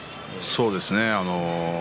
そうですね。